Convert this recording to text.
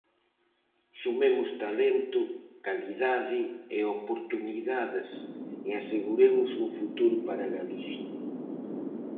Sumemos talento, calidade e oportunidades e aseguremos un futuro para Galicia.